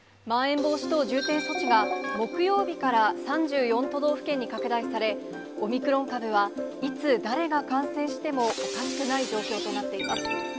まん延防止等重点措置が、木曜日から３４都道府県に拡大され、オミクロン株は、いつ、誰が感染してもおかしくない状況となっています。